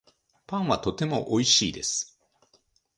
パンはとてもおいしいです